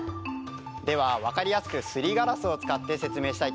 では分かりやすくすりガラスを使って説明したいと思います。